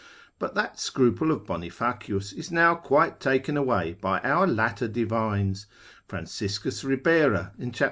But that scruple of Bonifacius is now quite taken away by our latter divines: Franciscus Ribera, in cap.